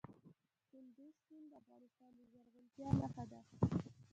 کندز سیند د افغانستان د زرغونتیا نښه ده.